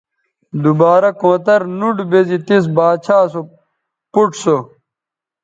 دوبارہ کونتر نوٹ بیزی تس باچھا سو پوڇ سو